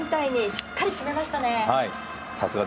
しっかり締めましたね。